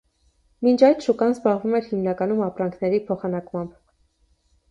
Մինչ այդ շուկան զբաղվում էր հիմնականում ապրանքների փոխանակմամբ։